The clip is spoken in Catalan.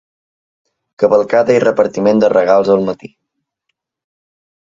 Cavalcada i repartiment de regals al matí.